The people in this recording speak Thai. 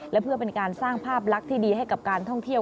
และเพื่อเป็นการสร้างภาพลักษณ์ที่ดีให้กับการท่องเที่ยว